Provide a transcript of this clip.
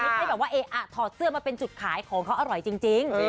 ให้แบบว่าเอ๊ะอ่ะถอดเสื้อมาเป็นจุดขายของเขาอร่อยจริง